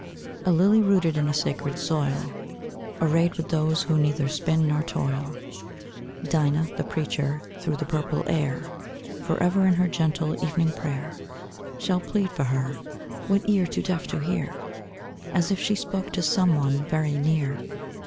A lily rooted in a sacred soil, Arrayed with those who neither spin nor toil; Dinah, the preacher, through the purple air, Forever in her gentle evening prayer Shall plead for Her what ear too deaf to hear? "As if she spoke to some one very near."